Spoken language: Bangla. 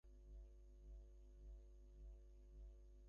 আমি নিজে যা জানি, সবই তাঁকে বলেছি।